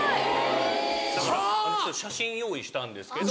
だから写真用意したんですけど。